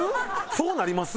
そうなります？